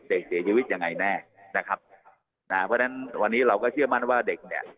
เด็กเสียชีวิตยังไงแน่นะครับนะเพราะฉะนั้นวันนี้เราก็เชื่อมั่นว่าเด็กเนี่ย